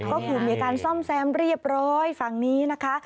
ก็อยู่เหมือนกันซ่อมแซมเรียบร้อยฝั่งนี้นะคะ